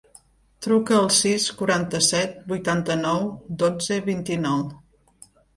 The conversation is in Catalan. Truca al sis, quaranta-set, vuitanta-nou, dotze, vint-i-nou.